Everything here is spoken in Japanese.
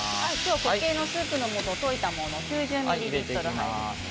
固形のスープを溶いたものを９０ミリリットルです。